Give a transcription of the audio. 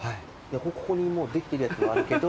ここにもうできてるやつもあるけど。